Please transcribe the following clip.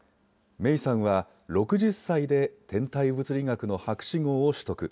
メイさんは、６０歳で天体物理学の博士号を取得。